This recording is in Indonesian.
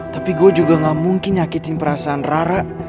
tapi gue juga gak mungkin nyakitin perasaan rara